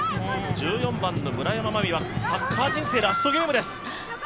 １４番の村山茉美はサッカー人生ラストゲームです。